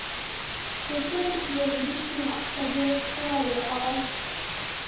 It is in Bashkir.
Көҙгә тиклем биш мең аҡса биреп тор әле, ағай.